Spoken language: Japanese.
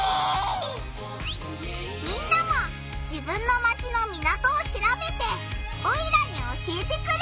みんなも自分のマチの港をしらべてオイラに教えてくれ！